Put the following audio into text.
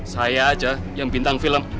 saya aja yang bintang film